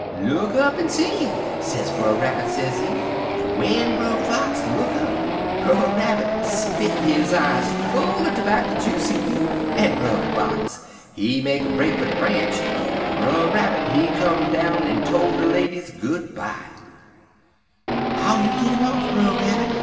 "'Look up en see,' sez Brer Rabbit, sezee, en w'en Brer Fox look up, Brer Rabbit spit his eyes full er terbacker joose, he did, en Brer Fox, he make a break fer de branch, en Brer Rabbit he come down en tole de ladies good by. "'How you git 'im off, Brer Rabbit?'